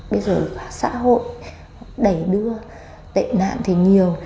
bây giờ xã hội đẩy đưa tệ nạn thì nhiều